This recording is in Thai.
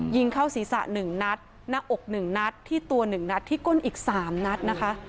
ยิงเข้าศีรษะหนึ่งนัดหน้าอกหนึ่งนัดที่ตัวหนึ่งนัดที่ก้นอีกสามนัดนะคะ